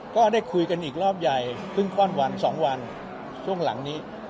ก็ได้คุยกันอีกรอบใหญ่เพิ่งคล่อนวัน๒วันช่วงหลังนี้